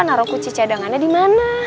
naro kunci cadangannya dimana